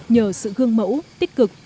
nhờ sự hương mẫu tích cực